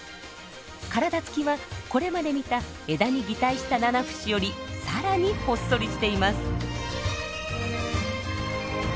体つきはこれまで見た「枝に擬態したナナフシ」よりさらにほっそりしています。